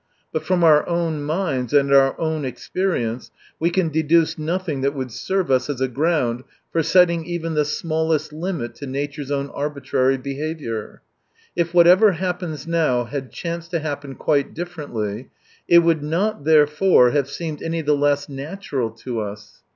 But from our own minds and our own experience we can deduce nothing that would serve us as a ground for setting, even the smallest limit to nature's own arbitrary behaviour. If whatever happens now had chanced to happen quite differently, it would not, therefore, have seemed any the less natural to us.